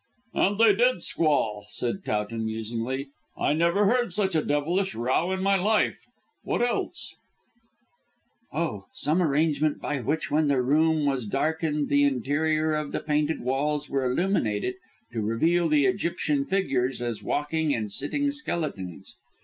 "And they did squall," said Towton musingly. "I never heard such a devilish row in my life. What else?" "Oh, some arrangement by which when the room was darkened the interior of the painted walls were illuminated to reveal the Egyptian figures as walking and sitting skeletons.